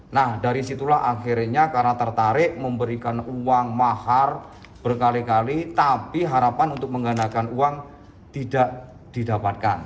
nah dari situlah akhirnya karena tertarik memberikan uang mahar berkali kali tapi harapan untuk menggandakan uang tidak didapatkan